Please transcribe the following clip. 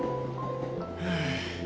はあ。